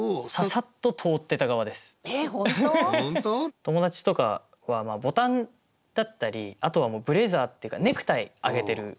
友達とかはボタンだったりあとはもうブレザーっていうかネクタイあげてる。